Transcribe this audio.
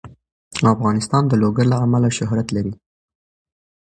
افغانستان د لوگر له امله شهرت لري.